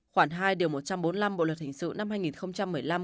khoảng hai điều một trăm bốn mươi năm bộ luật hình sự năm hai nghìn một mươi năm